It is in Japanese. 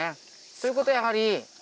ということはやはり。